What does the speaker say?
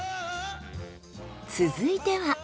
続いては。